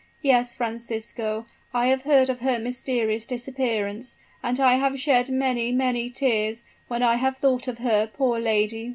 Yes, Francisco I have heard of her mysterious disappearance, and I have shed many, many tears when I have thought of her, poor lady!